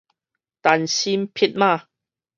單身匹馬